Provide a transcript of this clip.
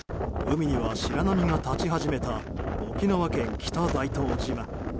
海には白波が立ち始めた沖縄県北大東島。